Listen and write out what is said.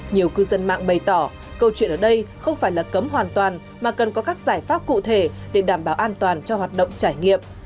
nhiều cư dân mạng bày tỏ câu chuyện ở đây không phải là cấm hoàn toàn mà cần có các giải pháp cụ thể để đảm bảo an toàn cho hoạt động trải nghiệm